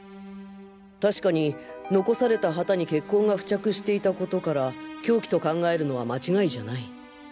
たしかに残された旗に血痕が付着していたことから凶器と考えるのは間違いじゃない。